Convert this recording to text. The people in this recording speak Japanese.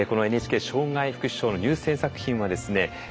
このＮＨＫ障害福祉賞の入選作品はですね